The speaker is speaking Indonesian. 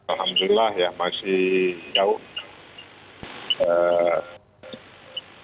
alhamdulillah yang masih jauh